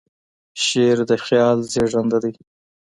شعر د خیال زېږنده دی.